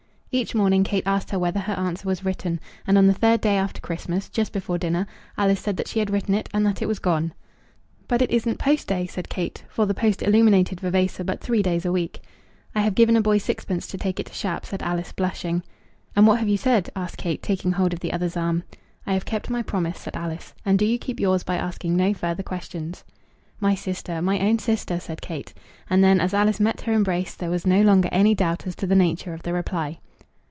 Each morning Kate asked her whether her answer was written; and on the third day after Christmas, just before dinner, Alice said that she had written it, and that it was gone. "But it isn't post day," said Kate; for the post illuminated Vavasor but three days a week. "I have given a boy sixpence to take it to Shap," said Alice, blushing. "And what have you said?" asked Kate, taking hold of the other's arm. "I have kept my promise," said Alice; "and do you keep yours by asking no further questions." "My sister, my own sister," said Kate. And then, as Alice met her embrace, there was no longer any doubt as to the nature of the reply.